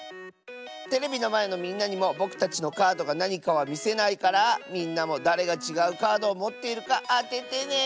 テレビのまえのみんなにもぼくたちのカードがなにかはみせないからみんなもだれがちがうカードをもっているかあててね！